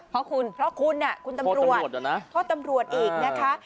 เพราะคุณเพราะคุณคุณตำรวจโทษตำรวจอีกนะคะ